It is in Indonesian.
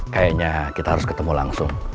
kayaknya kita harus ketemu langsung